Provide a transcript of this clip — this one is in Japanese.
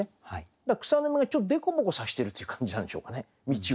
だから草の芽がちょっと凸凹さしてるという感じなんでしょうかね径を。